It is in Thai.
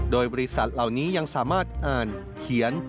โดยบริษัทเหล่านี้ยังสามารถอ่านเขียน